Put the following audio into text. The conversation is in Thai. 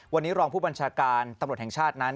วันนี้รองผู้บัญชาการตำรวจแห่งชาตินั้น